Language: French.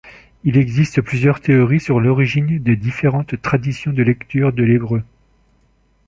Il existe plusieurs théories sur l'origine des différentes traditions de lecture de l'hébreu.